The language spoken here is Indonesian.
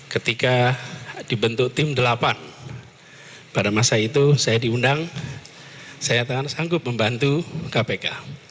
ketika dibentuk tim delapan pada masa itu saya diundang saya tangan sanggup membantu kpk